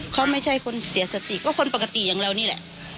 เขาไม่ใช่คนเสียสติก็คนปกติอย่างเรานี่แหละ